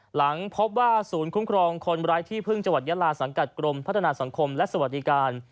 หลังพบว่าศูนย์คุ้มครองคนไร้ที่พึ่งจังหวัดยาลาสังกัดกรมพัฒนาสังคมและสวัสดิการ